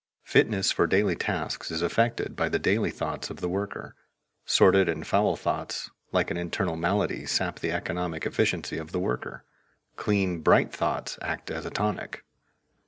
Fitness for daily tasks is affected by the daily thoughts of the worker. Sordid and foul thoughts, like an internal malady, sap the economic efficiency of the worker; clean, bright thoughts act as a tonic.